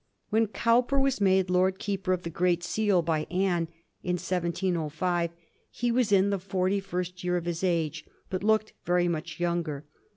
When Cowper was made Lord Keeper of the Great Seal by Anne in 1705, he was in the forty first year of his age, but looked very much younger.